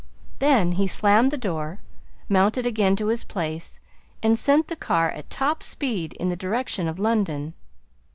Then he slammed the door, mounted again to his place, and sent the car at top speed in the direction of London.